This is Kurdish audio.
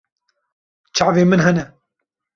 Çavên min hene.